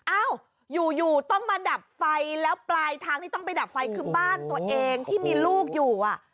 อ้าวอยู่ต้องมาดับไฟแล้วปลายทางที่ต้องไปดับไฟคือบ้านตัวเองที่มีลูกอยู่อ่ะ